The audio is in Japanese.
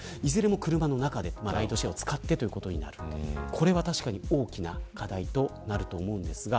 これは確かに大きな課題となると思います。